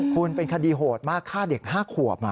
คุณเป็นคดีโหดมากฆ่าเด็ก๕ขวบ